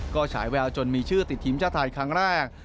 ก็ฉายแววจนมีชื่อติดทีมชาติไทยครั้งแรก